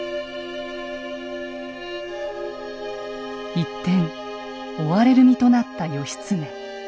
一転追われる身となった義経。